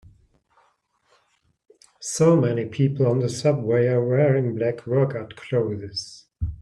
So many people on the subway are wearing black workout clothes.